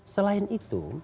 mereka tidak bisa